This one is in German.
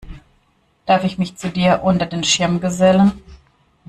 Darf ich mich zu dir unter den Schirm gesellen?